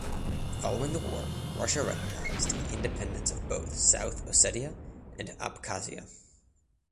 Following the war Russia recognised the independence of both South Ossetia and Abkhazia.